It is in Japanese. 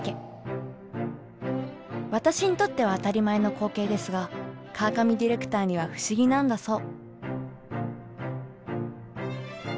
私にとっては当たり前の光景ですが川上ディレクターには不思議なんだそう。